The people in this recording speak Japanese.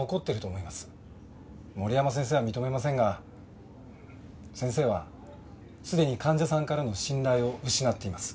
森山先生は認めませんが先生はすでに患者さんからの信頼を失っています。